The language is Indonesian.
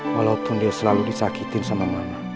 walaupun dia selalu disakitin sama mama